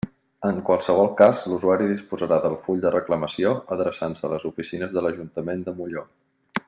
En qualsevol cas l'usuari disposarà del full de reclamació adreçant-se a les oficines de l'Ajuntament de Molló.